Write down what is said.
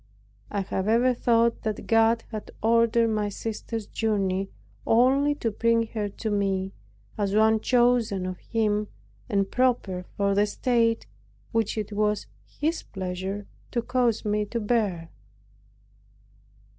I have ever thought that God had ordered my sister's journey only to bring her to me, as one chosen of Him and proper for the state which it was His pleasure to cause me to bear.